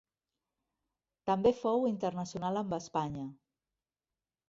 També fou internacional amb Espanya.